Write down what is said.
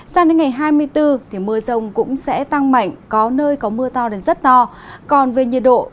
tăng đến ngày hai mươi bốn mưa rông cũng sẽ tăng mạnh có nơi có mưa to nên rất no còn về nhiệt độ